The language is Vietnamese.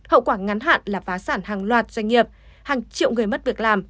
hậu quả ngắn hạn là phá sản hàng loạt doanh nghiệp hàng triệu người mất việc làm